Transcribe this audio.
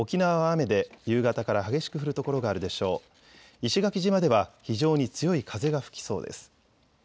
石垣島では非常に強い風が吹きそうです。